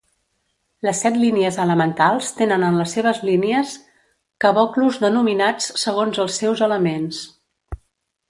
Les set línies elementals tenen en les seves línies caboclos denominats segons els seus elements.